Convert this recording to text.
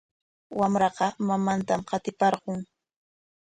Wamraqa mamantam qatiparqun.